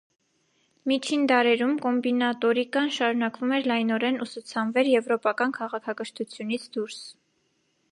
Միջին դարերում, կոմբինատորիկան շարունակվում էր լայնորեն ուսուցանվեր եվրոպական քաղաքակրթությունից դուրս։